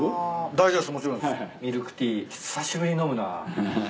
ミルクティー久しぶりに飲むな。